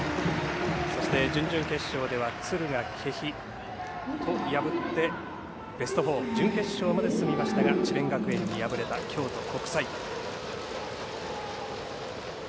そして準々決勝では敦賀気比と破ってベスト４準決勝まで進みましたが智弁学園に敗れた京都国際。